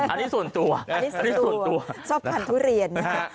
อันนี้ส่วนตัวชอบการทุเรียน